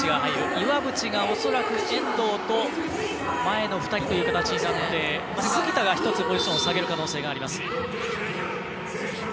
岩渕が恐らく遠藤と前の２人という形になって杉田が１つポジションを下げる可能性があります。